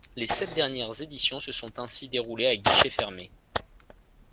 Les sept dernières éditions se sont ainsi déroulées à guichets fermés.